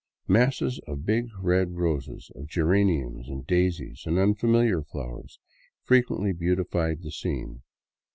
Masses of big red roses, of geraniums and daisies and unfamiliar flowers, frequently beautified the scene.